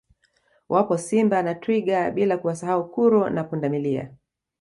Wapo Simba na Twiga bila kuwasau kuro na Pundamilia